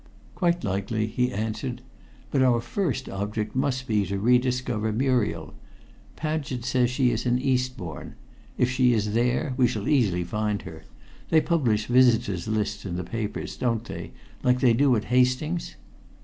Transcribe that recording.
"Quite likely," he answered. "But our first object must be to rediscover Muriel. Paget says she is in Eastbourne. If she is there, we shall easily find her. They publish visitors' lists in the papers, don't they, like they do at Hastings?"